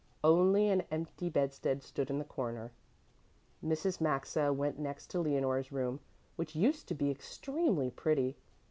Only an empty bedstead stood in the corner. Mrs. Maxa went next to Leonore's room, which used to be extremely pretty.